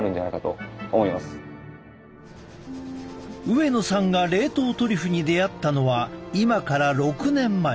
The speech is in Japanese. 上野さんが冷凍トリュフに出会ったのは今から６年前。